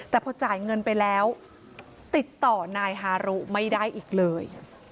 แต่พอจ่ายเงินไปแล้วติดต่อนายฮารุไม่ได้อีกเลย